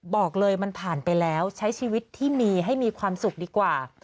บอกเลยมันผ่านไปแล้วใช้ชีวิตที่มีให้มีความสุขดีกว่า